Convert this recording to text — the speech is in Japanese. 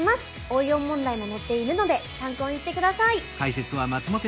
応用問題も載っているので参考にして下さい！